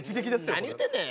何言うてんねん。